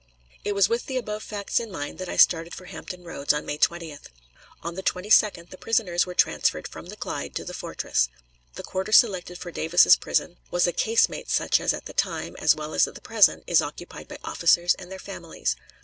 It was with the above facts in mind that I started for Hampton Roads on May 20th. On the 22d the prisoners were transferred from the Clyde to the fortress. The quarter selected for Davis's prison was a casemate such as at that time, as well as at the present, is occupied by officers and their families.